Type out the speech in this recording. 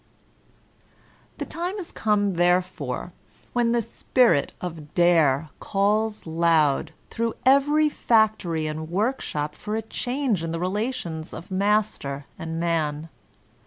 The time is come therefore when the spirit of Dare calls loud through every factory and work shop for a change in the relations of master and man.